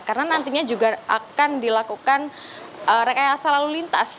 karena nantinya juga akan dilakukan rekayasa lalu lintas